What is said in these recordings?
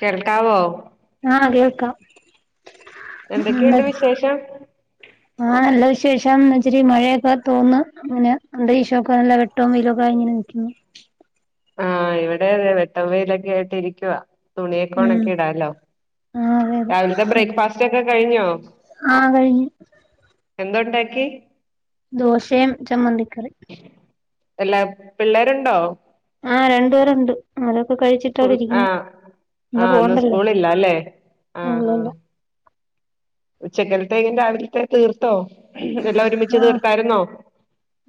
കേൾക്കാവോ ആ കേക്ക ന എന്തൊക്കെയുണ്ട് വിശേഷം ആ നല്ല ശേഷം ഇച്ചിരി മഴയൊക്കെ തോർന്ന് അങ്ങനെ അന്തരീക്ഷമൊക്കെ നല്ല വെട്ടവും വെയിലൊക്കെ ഇങ്ങനെ നി ക്കുന്നു ആ ഇവിടെ വെട്ട വയിലൊക്കെ ആയിട്ട് ഇരിക്കവാ ഉം തുണിയക്കോണൊക്കെ ഇടാലോ ആഹ് അതെ അതെ രാവിലത്തെ ബ്രേക്ക്ഫാസ്റ്റ് ഒക്കെ കഴിഞ്ഞോ കഴിഞ്ഞ് എന്തു ഉണ്ടാക്കി ദോശയും ചമ്മന്തിക്കറി അല്ല പിള്ളേരുണ്ടോ ആ രണ്ടു പേരുണ്ട് ആര സ്കൂൾ ആ ആ ഇന്ന് പോണ്ടല്ലോ സ്കൂളൾ ഇല്ല അല്ലേ ആ ആ ഇല്ലല്ല ഉച്ചക്കലത്തേക്കി രാവിലത്തെ തീർത്തോ എല്ലാം ഒരുമിച്ച് ആഹ് തീർത്തായിരുന്നോ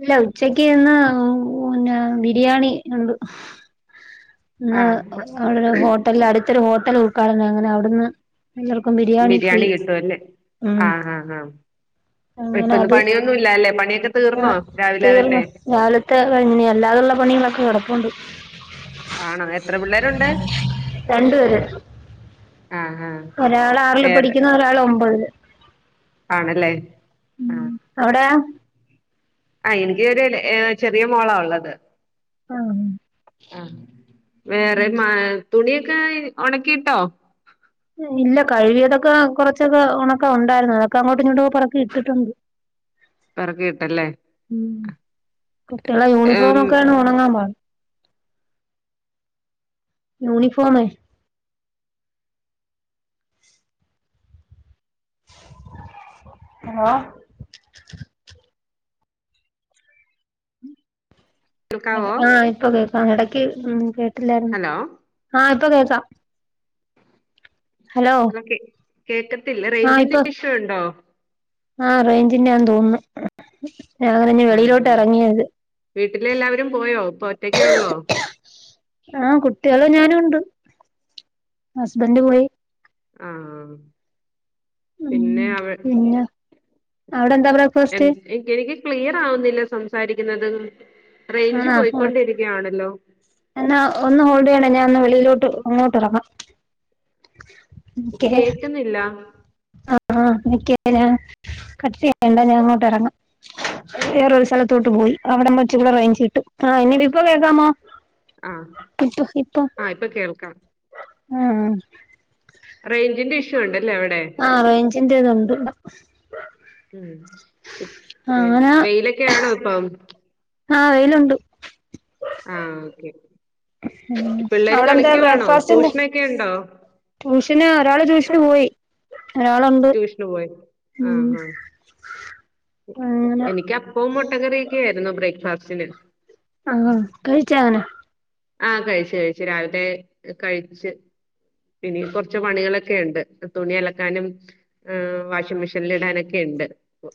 ഇല്ല ഉച്ചക്ക് ഇന്ന് പിന്നെ ബിരിയാണി ഉണ്ട് ഇ ആഹ് അവിടെരു ഹോട്ടല അടുത്തൊരു ഹോട്ടൽ ഉൽക്കാടന അങ്ങനെ അവിടുന്ന് എല്ലാർക്കും ഫ്രീ ബിരിയാണി കിട്ടുംല്ലേ ഉം ആ ആ ഹ ഇപ്പൊന്ന് പണിയൊന്നും ഇല്ല അല്ലേ പണിയൊക്കെ ആ തീർന്നോ രാവിലെ തീർന്ന തന്നെ രാവത്തെ കഴിഞ്ഞ അല്ലാതെുള്ള പണികളൊക്കെ കിടപ്പണ്ട് ആണോ എത്ര പിള്ളേരുണ്ട് ആഹ് ആഹ് ഒരാൾ ആറിൽ വേറെ പഠിക്കുന്നു ഒരാള് ഒമ്പതിൽ ആണല്ലേ ആ അവിടെയാ ആ എനിക്ക് ഒരു ഏ ചെറിയ മോളാ ഉള്ളത് ആ ആ വേറെ മ തുണിയൊക്കെ ഒണക്കിട്ടോ? ഇല്ല കഴുകിയതൊക്കെ കൊറച്ചൊക്കെ ഉണക്കം ഉണ്ടായിരുന്നു അതൊക്കെ അങ്ങോട്ട് ഇങ്ങോട്ട പുറക്ക ഇട്ടിട്ടുണ്ട്. പെറക്കിയിട്ടല്ലേ മ് കുട്ടികള യൂണിഫോമ ഏഹ് ഒക്കെ ആണ് ഒണങ്ങാൻ പണി യൂണിഫോമേ ഹ [inaudible] കേൾക്കാവോ ആ ഇപ്പൊ കേൾക്കാം ഇടക്ക് ഉ കേട്ടില്ലായിരുന്നു ഹലോ ആ ഇപ്പൊ കേക്കാം. ഹലോ ഹലേ കേക്കത്തില്ല റേഞ്ചിന്റെ ഇഷ്യു ഉണ്ടോ? ആ റേഞ്ചിന് ഞാൻ തോന്നുന്നു. ഞങ്ങ നിന്നെ വെളിയിലോട്ട് ആഹ് ഇറങ്ങിയത്. വീട്ടില് എല്ലാവരും പോയോ ഇപ്പൊ ഒറ്റക്കേ ഉള്ളോ ആ കുട്ടികള ഞാനും ഉണ്ട് ഹസ്ബന്റ് പോയി. ആഹ ഉം പിന്നെ അവ പിന്നെ അവിടെ എന്താ എൻ ബ്രക്ഫാസ്റ്റ് എനിക്ക് ക്ലിയർ ആവുന്നില്ല സംസാരിക്കുന്നത്. റേഞ്ച് ആണോ പോയിക്കൊണ്ടിരിക്കുകയാണല്ലോ എന്നാ ഒന്ന് ഹോൾഡ് ചെയ്യണ ഞാൻ ഒന്ന് വി ലോട്ട് അങ്ങോട്ട് ഇറങ്ങാം. കേക്കുന്നില്ല ആഹ ആ എക്ക ഞാൻ കട്ട ചെയണ്ട ഞാൻ അങ്ങോട്ട് ഇറങ്ങാം. വേറൊരു സ്ഥലത്തോട്ട് പോയി അവിടെ വച്ച കൂടെ കഴിച്ചിട്ട് ആ എന്നീട് ഇപ്പൊ കേൾക്കാമോ? ആഹ ഇപ്പൊ ആഹ ഇപ്പൊ കേൾക്കാം. ആഹ റേഞ്ചിന്റെ ഇഷ്യൂ ഉണ്ടല്ലേ അവിടെ ആഹ് റൈഞ്ചിന്തത് ഉണ്ട്. ഉ അങ്ങനെ വെയിലൊക്കൊണോ ഇപ്പ ആഹ വെയിലുണ്ട്. ആഹ ഓക്കെ പിള്ളേര് അവിടെ എന്താ കളിക്കുവാണോ ബ്രേക്ക്ഫാസ്റ്റിന് ട്യൂഷനൊക്കെ ഉണ്ടോ ട്യൂഷന് ഒരാള് ട്യൂഷന് പോയി. ഒരാളുണ്ട് ട്യൂഷന് പോയി ആഹ ഉം ആഹ അങ്ങനെ എനിക്ക് അപ്പ മുട്ടകറിയൊക്ക ആയിരുന്നു ബ്രേക്ക്ഫാസ്റ്റിന് ആഹ കഴിച്ചങ്ങനെ ആഹ കഴിച്ചു കഴിച്ചു രാവിലെ കഴിച്ച് ഇനികുറച്ച് പണികളൊക്കെ ക്കെ ഉണ്ട് തുണി അലക്കാനും വാഷിംഗ മെഷീനിൽ ഇടാനൊക്കെ ഉണ്ട്.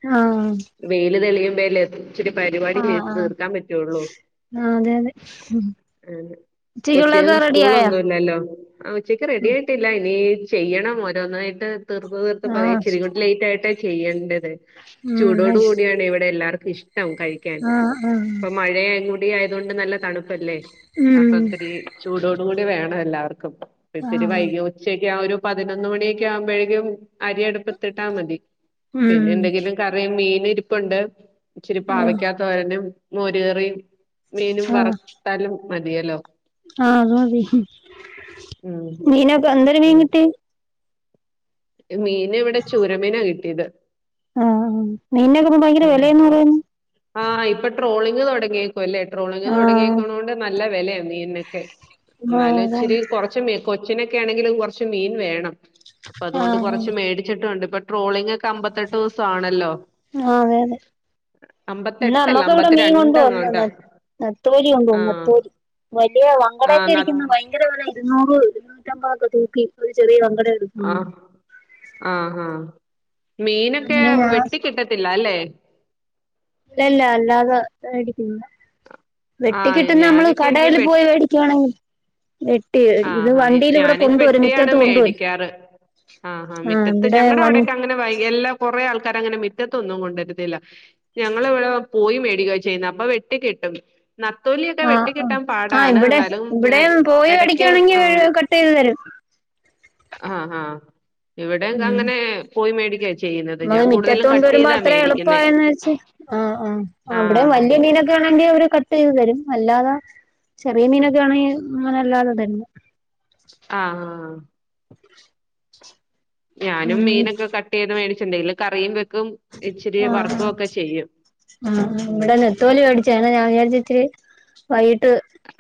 ആഹ് വെയില് തെളിയും വേല ഇച്ചരി പരിപാടി ആഹ് ചെയ്ത് ആഹ് തീർക്കാൻ പറ്റുള്ളൂ ആഹ് അതെ അതെ അ കൊച്ചിന്നും ഉച്ചക്കുള്ളതൊക്കെ റെഡി ആയോ സ്കൂളൊന്നുംല്ലല്ലോ ആ ഉച്ചയ്ക്ക് റെഡി ആയിട്ടില്ല ഇനി ചെയ്യണം ഓരോന്നായിട്ട് തീർത്ത് തീർത്ത് പറയ ആഹ് ചിരിങ്ങുട്ട് ലേറ്റ് ആയിട്ടാണ് ചെയ്യേണ്ടത്. ഉം ന്നാ ചൂടോട് ശ് കൂടിയാണ് ഇവിടെ എല്ലാർക്കും ഇഷ്ടം കഴിക്കാൻ ആഹ് ആഹ് ഇപ്പൊ മഴ ആയത് കൊണ്ട് നല്ല തണുപ്പല്ലേ ഉം അപ്പൊ ഇത്തിരി ചൂടോട കൂടി വേണം എല്ലാവർക്കും. ഇപ്പ ഇത്തിരി ആഹ് വൈക ഉച്ചക്കെ ആ ഒരു പതിനൊന്ന് മണിയൊക്കെ ആകുമ്പോഴേക്കും അരിയടുപ്പ് എത്തിട്ടാ മതി. ഉം പിന്നെ എന്തെങ്കിലും കറിയ മീൻ ഇരിപ്പുണ്ട് ഉം ആഹ് ഇച്ചിരിപ്പവയ്ക്കാത്തതോരനും. മോരുകറിയും മീനും വറത്താലും മതിയല്ലോ? ആഹ അത മതി ഉം മീനക്ക എന്തരും മീൻകിട്ടിയേ? മീൻ എവിടെ ചുരമീനാ കിട്ടിയത്. ആഹ ആ മീനൊക്ക്പോ ഭയങ്കര ആഹ് വിലയന്ന് പറയുന്നു. അങ്ങ തുടങ്ങിയ ട്രോളിങ് ആഹ് തുടങ്ങിയക്ണണ്ട് നല്ല വെലയാണ് മീനൊക്കെ ആഹ് എന്നാല അതാണ് ഇച്ചരി കുറച്ച് മീ കൊച്ചിനൊക്കെ ആണെങ്കിലും കൊറച്ച് മീൻ വേണം അപ്പൊ അതുകൊണ്ട് ആഹ് ആഹ് കൊറച്ച് മേടിച്ചിട്ടുംണ്ട്. ഇപ്പൊ ട്രോളിംഗ ഒക്കെഅമ്പത്തെട്ട് ദിവസ ആണല്ലോ ആ അതെ അതെ ഇന്ന അമ്പത്തെട്ടല്ല നമ്മക്ക് ഇവിടെ മീൻ അമ്പത്തിരണ്ട് കൊണ്ട് അങ്ങോട്ട് വന്നണ് നത്തോലി ഉണ്ടോ ആഹ് നത്തോലി വലിയ ആഹ് വങ്കടൊക്കെ ന ഇരിക്കുന്ന ഭയങ്കര പോല ഇരുന്നൂറ് ഇരുന്നൂറ്റാംഅമ്പതകെ തൂക്കി ഒരു ചെറിയ ആ എടുക്കുവാണ് ആ ആ മീനൊക്കെ അങ്ങനെ വെട്ടിക്കിട്ടത്തില്ല അല്ലേ ലഇല്ലല്ല അല്ലാതെ മേടിക്കുന്നു ആഹ് വെട്ടികിട്ടുന്ന നമ്മള് ഞാനൊക്കെ എനിക്ക് കടല്ല് വെ പോയി മേടിക്കുവാണെങ്കിൽ മേ ഇത് ആഹാ എ- വണ്ടിൽ ഇവിടെ കൊണ്ടുവരും മിറ്റത്ത് കൊണ്ടുവരും. ആഹ് ഹാ ആ മിറ്റത്ത് ഇവിടെ ഞങ്ങളടെ വൺ അവിടെക്കെ അങ്ങനെ വൈയ് എല്ലാ കുറെ ആൾ കറങ്ങനെ മറ്റത്തൊന്നും കൊണ്ടരത്തില്ല ഞങ്ങള് ഇവിടെ പോയി മേടിക്കോ ചെയ്യുന്നത് അപ്പം വെട്ടികിട്ടും. നത്തോലിയൊക്കെ ആ വെട്ടികിട്ടാൻ ആ പാടാണ് ഇവിടെ എന്നാലും ഇവിടെയും പോയി എടാ ക്ക് മേടിക്കുവാണെങ്കി ആ കട്ട് ചെയ്ത് തരും ആ ആ ഇവിടൊക്കെ ഉം അങ്ങനെ പോയി മേടിക്കാചെയ്യുന്നത് നമ്മള് ഞാൻ മിറ്റത്ത് കൂടുതലും കട്ട് കൊണ്ടുവരുമ്പോ ചെയ്താ അത്ര മേടിക്കുന്നേ എളുപ്പമായെന്ന് വെച്ച് ആ ആ അവിടെയും വലിയ ആഹ് മീനൊക്കെ ആണെങ്കി അവര് കട്ട് ചെയ്ത് തരും അല്ലാതെ ചെറിയ മീനൊക്കെ ആണെങ്കിൽ അങ്ങനെ അല്ലാതെ തരും ആഹ് ഞാനും ഉം മീനൊക്കെ കട്ട്ചെയ്ത് മേടിച്ചിണ്ടേൽ കറിയും വെക്കും ഇച്ചിരി ആ വറക്കും ആ ഒക്കെ ചെയ്യും ആ ഉം ഇവിടെ നേത്തോലി മേടിച്ചാണ് ഞാൻ വിചാരിച്ച് ഇത്തിരി വൈ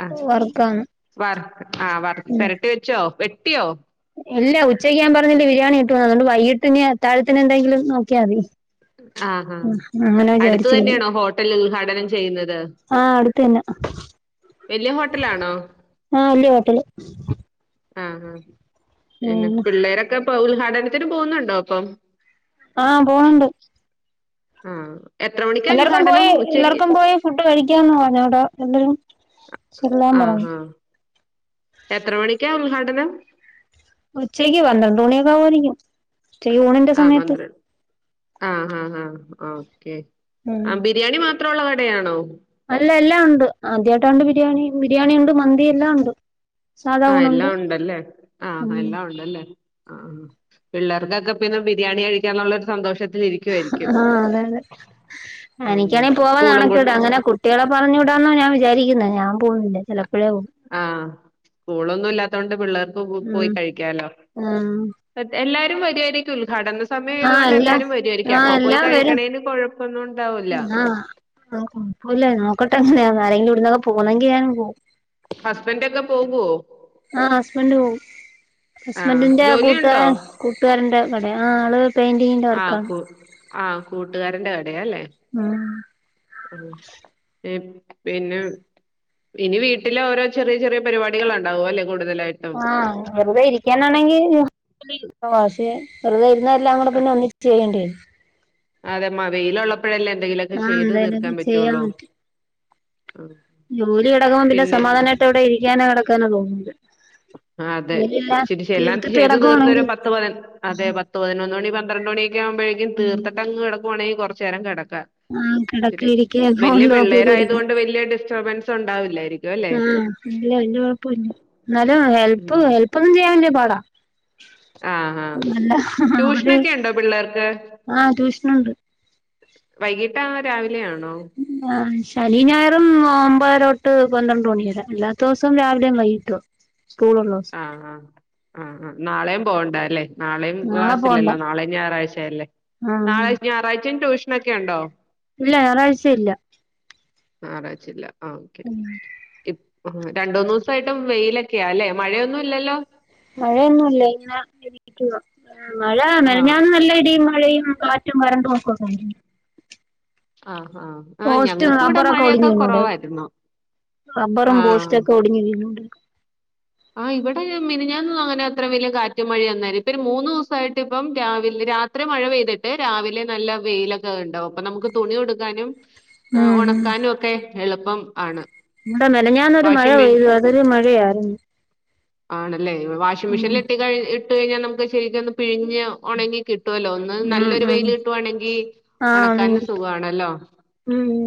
ആ വറ ആ വറ പെരട്ടി വെച്ചോ വെട്ടിയോ ഇല്ല ഉച്ചയ്ക്ക് ഞാൻ പറഞ്ഞില്ലേ ബിരിയാണി കിട്ടൂന്ന്‌ അതുകൊണ്ട് വൈകിട്ടിനി അത്താഴത്തിന് എന്തെങ്കിലും നോക്കിയാമതി ആഹ് ഹാ അടുത്ത് വിചാരിച്ചിരിക്ക തന്നെയണോ ഹോട്ടൽ ഉദ്ഘാടനം ചെയ്യുന്നത് ആ അടുത്തുതന്നാ വലിയ ഹോട്ടലാണോ ആ വല്യ ഹോട്ടല് ആ ആ പിന്നെ ഉം പിള്ളേരൊക്കെ ഇപ്പോ ഉദ്ഘാടനത്തിന് പോന്നുണ്ടോ അപ്പം ആ പോണുണ്ട് ആഹ് എല്ലാർക്കും പോയി എല്ലാർക്കും പോയി ഫുഡ് കഴിക്കാന്ന് പറഞ്ഞോടോ എല്ലാരും ചെല്ലാൻ പറഞ്ഞു ആഹാ എത്ര മണിക്കാ ഉദ്ഘാടനം ഉച്ചക്ക് പന്ത്രണ്ട് മണിയൊക്കെ ആവുവായിരിക്കും ഉച്ചയൂണിന്റെ സമയത്ത് ആഹ് ആഹ് ആഹ് ഓക്കേ ഉം ആ ബിരിയാണി മാത്രവുള്ള കടയാണോ അല്ല എല്ലാം ഉണ്ട് ആദ്യയിട്ടായോണ്ട് ബിരിയാണി ബിരിയാണി ഉണ്ട് മന്തി എല്ലാം ഉണ്ട് സാധാ ആ ഊണുണ്ട് എല്ലാം ഉണ്ടല്ലേ ആ ഉം എല്ലാം ഉണ്ടല്ലേ ആ പിള്ളേർക്കൊക്കെ പിന്നെ ബിരിയാണി കഴിക്കാനുള്ളരു സന്തോഷത്തിലിരിക്കുവാരിക്കും ആ അതെ അതെ ഉം എനിക്കാണെ സ്കൂളും പോവാൻനാണക്കേടാ അങ്ങനെ കുട്ടികളെ പറഞ്ഞു വിടാന്നാ ഞാൻ വിചാരിക്കുന്നേ ഞാൻ പോകുന്നില്ല ചില ആ സ്കൂളൊന്നും ഇല്ലാത്തോണ്ട് പിള്ളേർക്ക് ഉം പോയി കഴിക്കാലോ ഉം അതേ എല്ലാ രും വരുവായിരിക്കും ഉദ്ഘാടന ആഹ് സമയായതോണ്ട് എല്ലാം എല്ലാരും വരുവായിരിക്കും അപ്പപ്പോയി കഴിക്കണേന് കൊഴപ്പ എന്നാ [unintelligible] നോക്കട്ടെ എങ്ങനെയാ ആരെങ്കിലും ഇവിടുന്നൊക്കെ പോവുന്നെങ്കിൽ ഞാനും പോവും ഹസ്ബന്റൊക്കെ പോകുവോ ആ ഹസ്ബൻഡ് പോവും ആഹ് ഹസ്ബന്റിന്റെ ജോലിയുണ്ടോ കൂട്ടുകാരൻ കൂട്ടുകാരന്റെ കടയാ ആള് പെയിന്റിങ്ങിന്റെ ആ വർക്കാണ് കു ആ കൂട്ടുകാരന്റെ കടയാല്ലേ ഉം ആ ഇപ്പ് പിന്നെ ഇനി വീട്ടില് ഓരോ ചെറിയ ചെറിയ പരിപാടികൾ ഒണ്ടാകുവല്ലേ ആ വെറുതെ ഇരിക്കാനാണെങ്കിൽ ഓ പക്ഷെ വെറുതെ ഞാനെല്ലാം കൂടെ പിന്നെ ഒന്നിച്ച് ചെയ്യേണ്ടേ അതെ മ വെയിലോള്ളപ്പോഴല്ലേ എന്തെങ്കിലുവൊക്കെ ആഹ് ചെയ്ത് തീർക്കാൻ എന്തായാലൊക്കെ ചെയ്യാൻ പറ്റുവൊള്ളു പറ്റും ജോലി കിടക്കുമ്പോ പിന്നെ സമാധാനവായിട്ട് അവിടെ ഇരിക്കാനോ കിടക്കാനോ തോന്നൂല്ല ആ അതെ ചിരിച്ച് എല്ലാം തീർത്തിട്ട് ചെയ്ത് തീർത്തോരോ കിടക്കുവാണെങ്കി പത്ത് പതിന് അതെ പത്തു പതിനൊന്ന് മണി പന്ത്രണ്ട് മണി ആകുമ്പോഴേക്കും തീത്തിട്ടങ് കിടക്കവാണെ കുറച്ച് നേരം കിട ക്കാം ആഹ് കിടക്കെ ഇച്ചിരി ഇരിക്കെ വല്യ ഫോണില് നോക്കിയൊക്കെ പിള്ളേരായത് കൊണ്ട് വലിയ ഡിസ്റ്റർബൻസ് ഉണ്ടാവില്ല ആ ഇല്ല വല്യകൊഴപ്പവില്ല എന്നാലും ഹെല്പ് ഉം ഹെല്പ് ഒന്നും ചെയ്യാൻ വല്യ പാടാ ആ ആ നല്ല ഒര് ട്യൂഷനൊക്കെ ഉണ്ടോ പിള്ളേർക്ക് ആഹ് ട്യൂഷനൊണ്ട് വൈകിട്ടാണോ രാവിലെ ആണോ ശനീം ഞായറും ഒമ്പതരോട്ട് പന്ത്രണ്ട് മണി വരെ അല്ലാത്ത ദിവസം രാവിലേം വൈകിട്ടും ആ ആഹ് ആഹ് ആഹ് ആ നാളേം പോകണ്ടാ അല്ലേ നാളേം നാളെ പോണ്ട ക്ലാസ്സില്ലല്ലോ നാളേം ഞായറാഴ്ച അല്ലേ ആഹ് നാളെ ഞായറാഴ്ചയും ട്യൂഷനൊക്കെ ഒണ്ടോ ഇല്ല ഞായറാഴ്ച ഇല്ല ഞായറാഴ്ച്ച ഇല്ല ആ ഓക്കേ ഇപ്പ രണ്ടൂന്ന് ദിവസായിട്ടു വെയിലക്കയാ അല്ലെ മഴയൊന്നും ഇല്ലല്ലോ മഴയൊന്നും ഇല്ലേ ഇങ്ങന ഇരിക്കുന്നു ആ മഴമെനഞ്ഞാന്ന് നല്ല ഇടീം മ മഴയും കാറ്റും കരണ്ടും ഒക്ക പോയാരുന്നു ആ ഹാ ആ ഞങ്ങക്ക് ഇവിടെ ഒടിഞ്ഞ് മഴയൊക്കെ വീണു ഇവിടെയൊക്കെ കൊറവാരുന്നു റബ്ബറും പോസ്റ്റ് ഒക്കെ ഒടിഞ്ഞ് വീണൂണ്ട് ആ ഇവടെ ഈ മെനഞ്ഞാന്ന് അങ്ങനെ അത്ര വലിയ കാറ്റും മഴയും വന്നാര് ഇപ്പൊ ര് മൂന്ന് ദെവസായിട്ട് ഇപ്പം രാവിലെ രാത്രി മഴ പെയ്തിട്ട് രാവിലെ നല്ല വെയിലൊക്ക ഒണ്ടാവും അപ്പൊ നമുക്ക് തുണി കൊട്ക്കാനും ആ ഉം ഒണക്കാനും ഒക്കെ എളുപ്പം ആണ് ഇവട മെനഞ്ഞാന്നൊരു മഴ വാഷിംഗ് പെയ്തു മെഷീൻ അതൊരു മഴയാരുന്നു ആണല്ലേ വാഷിംഗ് മെഷീൻല് ഇട്ട് കഴി ഇട്ട് കഴിഞ്ഞാൽ നമുക്ക് ശരിക്കൊന്ന് പിഴിഞ്ഞാ ഒണങ്ങി കി കിട്ടോല്ലോ ഒന്ന് ഉം നല്ലൊരു ഉം വെയില് കിട്ടുവാണെങ്കി ആഹ് മീൻ ഒണക്കാനും കിട്ടും സുഖാണല്ലോ ഉം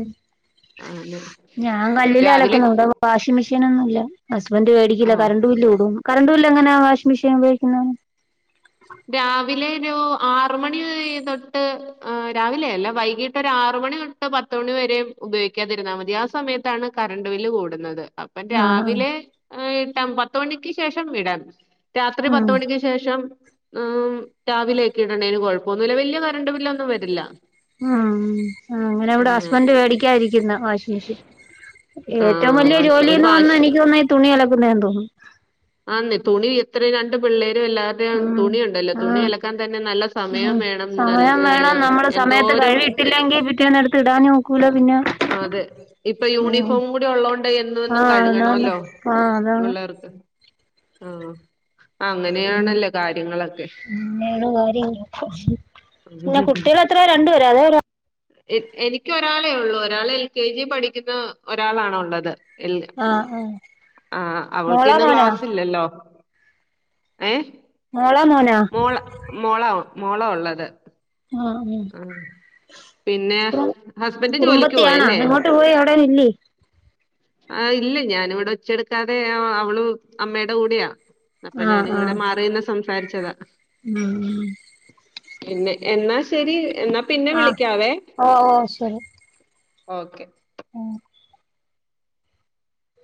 ഞാൻ കല്ലിലാ രാവിലെ അലക്കുന്നത് ഇവ്ട വാഷിംങ് മെഷീനൊന്നും ഇല്ല ഹസ്ബന്റ് വേടിക്കില്ല ആ കറണ്ട് ബില്ല് കൂടും. കറണ്ട് ബില്ല് എങ്ങനാ വാഷിംഗ് മെഷീൻ ഉപയോഗിക്കുന്ന രാവിലെ ഒരു ആറുമണി ആയതൊട്ട് ആ രാവിലെ അല്ല വൈകിട്ടൊരാറ്മണി തൊട്ട് പത്ത് മണിവ വരേം ഉപയോഗിക്കാതിരുന്നാ മതി ആ സമയത്താണ് കറണ്ട് ബില്ല് കൂടുന്നത് അപ്പം ആഹ് രാവിലെ ആയ്ട്ടം പത്ത് മണിക്ക് ശേഷം വിടാനാ രാത്രി ഉം പത്ത് മണിക്ക് ശേഷം മ് രാവിലെ ഒക്കെ ഇടണേന് കൊഴപ്പോന്നു ഇല്ല വലിയ കരണ്ട് ബില്ല് ഒന്നും വരില്ല ഉം ആഹ് അങ്ങനെ ഇവിടെ ഹസ്ബൻറ് വേടിക്കാതിരിക്കുന്ന് വാഷിംഗ് മെഷീൻ ഏറ്റവും ആഹ് വലിയ വാഷ് ഒരു ജോലീന്ന് വന്ന് വാഷ് എനിക്ക് തോന്ന്ന്ന് ഈ തുണി അലക്കുന്നെ എന്ന് തോന്നുന്നു ആന്നെ തുണി എത്രയും രണ്ട് പിള്ളേ ഇവര് എല്ലാരുടേം ഉം തുണി ഒണ്ടല്ലോ തുണി ആഹ് അലക്കാൻ തന്നെ നല്ല ഉം സമയം വേണം നൽ ആ യായ് എന്തോ കഴ്‌വി ഇട്ടില്ലങ്കി പിറ്റേന്ന് എട്ത്ത് ഇടാനും ഒക്കൂല പിന്നാ അതെ ഇപ്പൊ യൂണിഫോം കൂടി ഒള്ളോണ്ട് എന്നു എന്നും ആഹ് അതാണ് കഴുകണോല്ലോ ആഹ് അതാണ് പിള്ളേർക്ക് ആഹ് ഉം അങ്ങനെയാണല്ലോ കാര്യങ്ങളൊക്കെ പിന്നേട് ഓരേ [unintelligible] പിന്നെ കുട്ടികൾ എത്രയാ രണ്ടുപേരാ അതെ ഒരാ എ എനിക്ക് ഒരാളേ ഒള്ളൂ ഒരാൾ എൽ കെ ജി പഠിക്കുന്ന ഒരാളാണൊള്ളത് ആഹ് ആഹ് ആഹ് അവൾക്ക് മോളാ ഇന്ന് മോനാ ക്ലാസ് ഇല്ലല്ലോ ഏ മോളാ മോനാ മോള മോളാ ഒ മോളാ ഒള്ളത് ആഹ് ഊ പിന്നെ കുറു ഹസ്ബൻഡ് ജോലിക്ക് കുറുമ്പത്തി ആണാ എങ്ങോട്ട് പോയി അവിടേങ്ങ് ഇല്ലീ? ആ ഇല്ല ഞാന്‌വ്ടെ ഒച്ച എടുക്കാതെ ആ അവള് അമ്മയുടെ കൂടെയാ അപ്പ ഞാന് ആഹ് ഇവിടെ ആഹ് മാറി നിന്ന് സംസാരിച്ചതാ ആഹ് പിന്നെ എന്നാ ശെരി എന്നാ പിന്നെ ആഹ് വിളിക്കാവേ ഓ ഓ ശരി ഓക്കെ ഉം